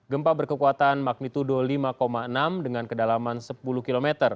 gempa berkekuatan magnitudo lima enam dengan kedalaman sepuluh km